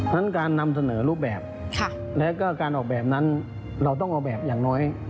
นั้นการนำเสนอรูปแบบและการออกแบบนั้นเราต้องเอาแบบอย่างน้อย